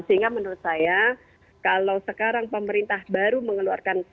sehingga menurut saya kalau sekarang pemerintah baru mengeluarkan